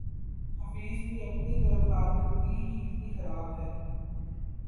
حفیظ کی اپنی کارکردگی ہی اتنی خراب ہے